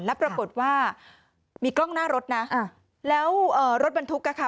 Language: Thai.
แล้วปรากฏว่ามีกล้องหน้ารถนะแล้วเอ่อรถบรรทุกอ่ะค่ะ